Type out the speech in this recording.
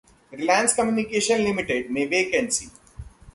Reliance Communications Ltd में vacancy